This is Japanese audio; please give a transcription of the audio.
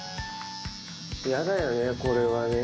嫌だよねこれはね